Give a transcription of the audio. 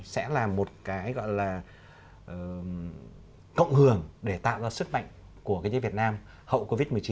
sẽ là một cái gọi là cộng hưởng để tạo ra sức mạnh của kinh tế việt nam hậu covid một mươi chín